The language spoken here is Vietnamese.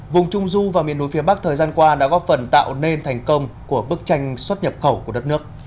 vùng trung du và miền núi phía bắc thời gian qua đã góp phần tạo nên thành công của bức tranh xuất nhập khẩu của đất nước